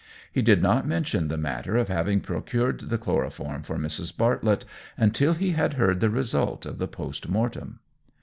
He did not mention the matter of having procured the chloroform for Mrs. Bartlett until he had heard the result of the post mortem.